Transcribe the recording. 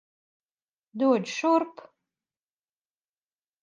Dod šurp!